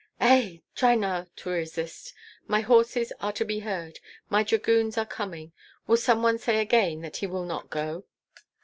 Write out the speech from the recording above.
"Ei! Try now to resist! My horses are to be heard, my dragoons are coming. Will some one say again that he will not go?"